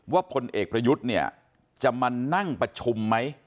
พลเอกประยุทธ์เนี่ยจะมานั่งประชุมไหม